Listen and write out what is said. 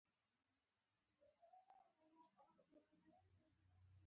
د ده دښمنان سموڅې ته ورسېدل.